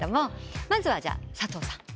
まずは佐藤さん。